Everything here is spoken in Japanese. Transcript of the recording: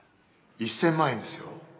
１，０００ 万円ですよ